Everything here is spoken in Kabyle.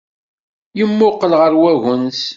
Yemmuqqel ɣer wagens.